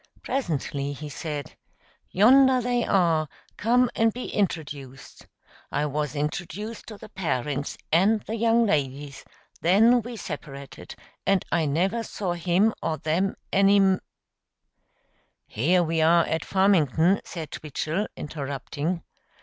Presently he said, "Yonder they are; come and be introduced." I was introduced to the parents and the young ladies; then we separated, and I never saw him or them any m "Here we are at Farmington," said Twichell, interrupting.